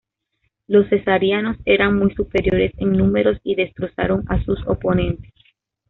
Los cesarianos eran muy superiores en número y destrozaron a sus oponentes.